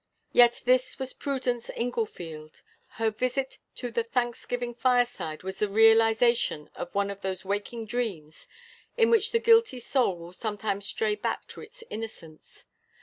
Yet this was Prudence Inglefield. Her visit to the Thanksgiving fireside was the realization of one of those waking dreams in which the guilty soul will sometimes stray back to its innocence.